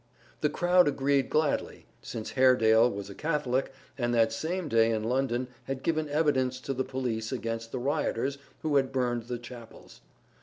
The crowd agreed gladly, since Haredale was a Catholic and that same day in London had given evidence to the police against the rioters who had burned the chapels.